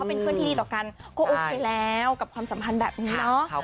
เป็นเพื่อนที่ดีต่อกันก็โอเคแล้วกับความสัมพันธ์แบบนี้เนาะ